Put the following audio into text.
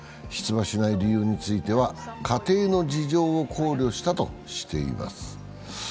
出馬しない理由については家庭の事情を考慮したとしています。